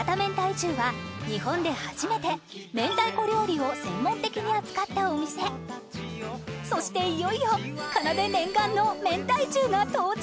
重は日本で初めて明太子料理を専門的に扱ったお店そしていよいよかなで念願のめんたい重が到着！